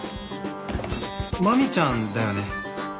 マミちゃんだよね？